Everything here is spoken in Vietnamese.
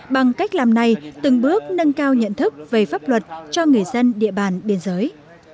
bằng cách làm này từng bước nâng cao nhận thức về pháp luật cho người dân địa bàn biên giới